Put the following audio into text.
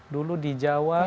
dulu di jawa